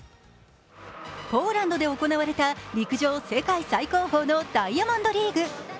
ポーランドで行われた陸上世界最高峰のダイヤモンドリーグ。